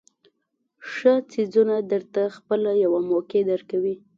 ښه څیزونه درته خپله یوه موقع درکوي.